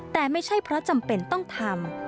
แต่ไม่ใช่เพราะจำเป็นต้องทำ